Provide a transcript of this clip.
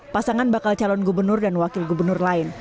pasangan bakal calon gubernur dan wakil gubernur lain